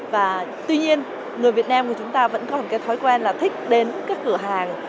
và tuy nhiên người việt nam thì chúng ta vẫn có một cái thói quen là thích đến các cửa hàng